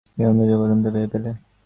বিমল কী উত্তর দেবে প্রথমটা ভেবে পেলে না।